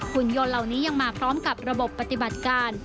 คุณยนต์เหล่านี้ยังมาพร้อมกับระบบปฏิบัติการ